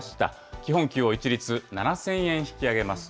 基本給を一律７０００円引き上げます。